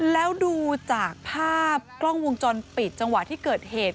แล้วดูจากภาพกล้องวงจรปิดจังหวะที่เกิดเหตุ